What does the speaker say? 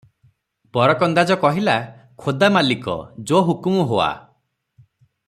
"ବରକନ୍ଦାଜ କହିଲା, "ଖୋଦା ମାଲିକ, ଯୋ ହୁକୁମ ହୁଆ ।"